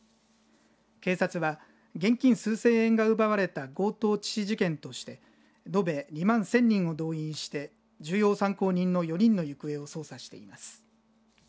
警察は現金数千円が奪われた強盗致死事件として延べ２万１０００人を動員して重要参考人の４人の行方を捜査しています。